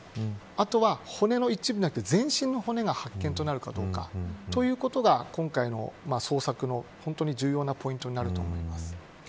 あとは骨の一部ではなく全身の骨が発見となるかどうかということが、今回の捜索の本当に重要なポイントになると思っています。